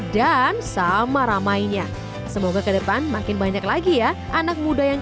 dan sama ramainya semoga ke depan makin banyak lagi ya anak muda yang